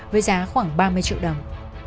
với giá khoảng ba mươi triệu đồng